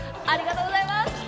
ありがとうございます！